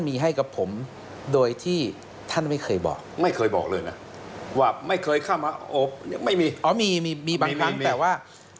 อ๋อมีมีบางครั้งแต่ว่า